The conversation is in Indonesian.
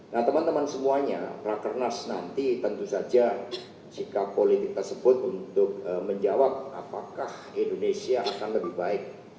nah teman teman semuanya rakernas nanti tentu saja sikap politik tersebut untuk menjawab apakah indonesia akan lebih baik